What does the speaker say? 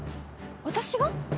私が？